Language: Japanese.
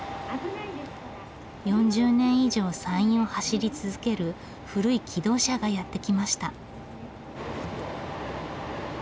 ４０年以上山陰を走り続ける古い気動車がやって来ました。